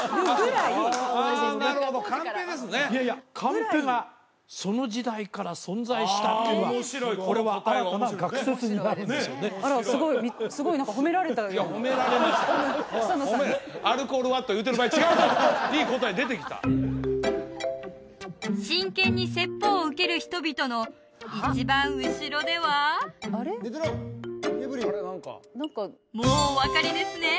いやいやカンペがその時代から存在したっていうのはこれはあらすごいすごい草野さんにいい答え出てきた真剣に説法を受ける人々の一番後ろではもうお分かりですね？